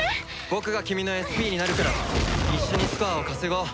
僕が君のＳＰになるから一緒にスコアを稼ごう。